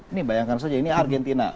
ini bayangkan saja ini argentina